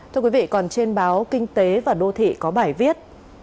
thưa quý vị còn trên báo kinh tế và đô thị có bài viết